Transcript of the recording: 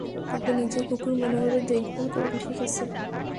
তাকে নিজের কুকুর মনে করে দেখভাল করুন, ঠিক আছে?